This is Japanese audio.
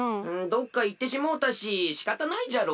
どっかいってしもうたししかたないじゃろ。